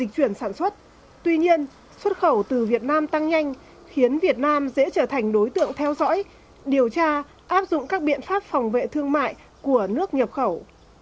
tuy nhiên xuất khẩu từ việt nam tăng nhanh khiến việt nam dễ trở thành đối tượng theo dõi điều tra áp dụng các biện pháp phòng vệ thương mại của nước nhập khẩu